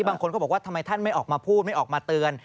บางคนก็บอกว่าทำไมท่านไม่ออกมาพูดไม่ออกมาเตือน